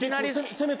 攻めた。